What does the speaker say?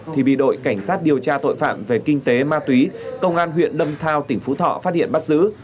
thì bị đội cảnh sát điều tra tội phạm về kinh tế ma túy công an huyện đâm thao tỉnh phú thọ phát hiện bắt giữ